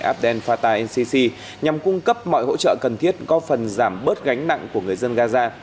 abdel fattah el sisi nhằm cung cấp mọi hỗ trợ cần thiết góp phần giảm bớt gánh nặng của người dân gaza